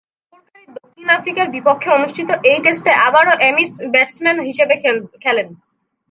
লর্ডসে সফরকারী দক্ষিণ আফ্রিকার বিপক্ষে অনুষ্ঠিত ঐ টেস্টে এবারও অ্যামিস ব্যাটসম্যান হিসেবে খেলেন।